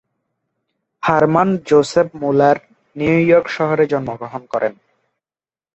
Harman Joseph Muller New York শহরে জন্মগ্রহণ করেন।